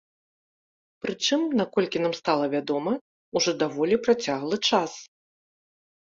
Прычым, наколькі нам стала вядома, ужо даволі працяглы час.